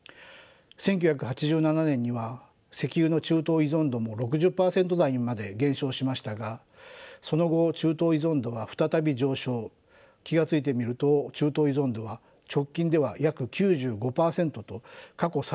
１９８７年には石油の中東依存度も６０％台にまで減少しましたがその後中東依存度が再び上昇気が付いてみると中東依存度は直近では約９５％と過去最高を記録しています。